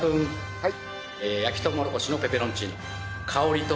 はい。